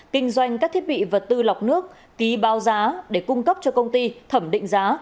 kinh doanh các thiết bị vật tư lọc nước ký bao giá để cung cấp cho công ty thẩm định giá